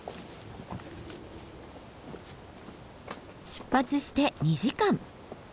出発して２時間。